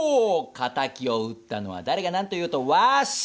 仇を討ったのは誰が何と言おうとワシ！